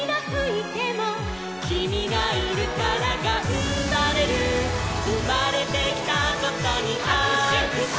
「キミがいるからがんばれる」「うまれてきたことにはくしゅ」「」